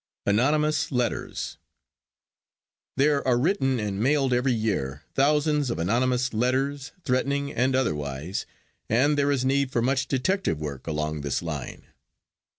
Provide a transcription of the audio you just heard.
ANONYMOUS LETTERS There are written and mailed every year thousands of anonymous letters, threatening and otherwise, and there is need for much detective work along this line.